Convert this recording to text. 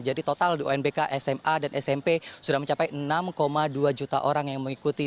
jadi total di unbk sma dan smp sudah mencapai enam dua juta orang yang mengikuti